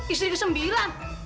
istri ke sembilan